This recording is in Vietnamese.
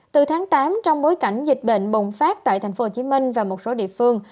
từ tháng tám trong bối cảnh dịch bệnh bùng phát tại tp hcm và một số địa phương